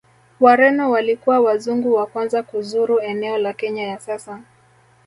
Wareno walikuwa Wazungu wa kwanza kuzuru eneo la Kenya ya sasa